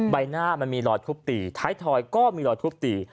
ใบหน้ามันมีรอยทุบตีท้ายทอยก็มีรอยทุบตี